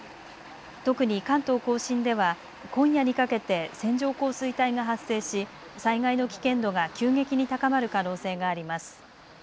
特に関東甲信では、今夜にかけて線状降水帯が発生し災害の危険度が急激に高まる可能性があります。